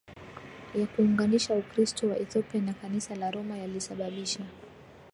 ya kuunganisha Ukristo wa Ethiopia na Kanisa la Roma yalisababisha